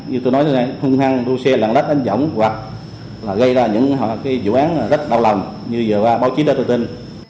như tôi nói rồi hung an đua xe lằng đất anh giọng hoặc gây ra những dụ án rất đau lòng như báo chí đã từng tin